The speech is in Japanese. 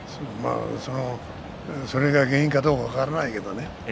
それが原因かどうか分からないけどね